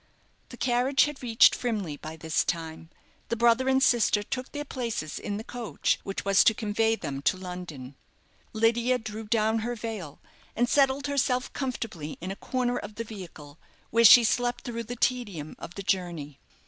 The carriage had reached Frimley by this time. The brother and sister took their places in the coach which was to convey them to London. Lydia drew down her veil, and settled herself comfortably in a corner of the vehicle, where she slept through the tedium of the journey.